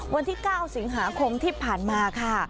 วันที่๙สิงหาคมที่ผ่านมาค่ะ